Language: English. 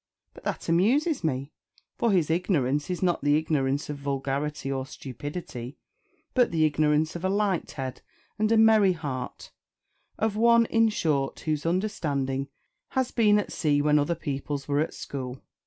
But that amuses me; for his ignorance is not the ignorance of vulgarity or stupidity, but the ignorance of a light head and a merry heart of one, in short, whose understanding has been at sea when other people's were at school.